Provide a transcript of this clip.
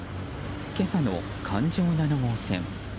今朝の環状７号線。